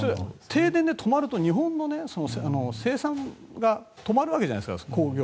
停電で止まると日本の生産が止まるわけじゃないですか。